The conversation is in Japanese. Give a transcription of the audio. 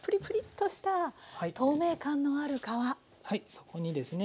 そこにですね